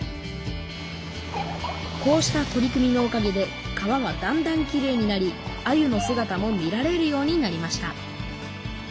こうした取り組みのおかげで川はだんだんきれいになりあゆのすがたも見られるようになりました